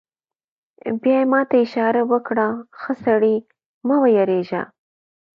بیا یې ما ته اشاره وکړه: ښه سړی، مه وېرېږه.